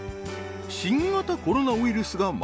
新型コロナウイルスが蔓延。